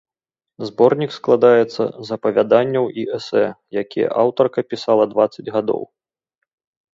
Зборнік складаецца з апавяданняў і эсэ, якія аўтарка пісала дваццаць гадоў.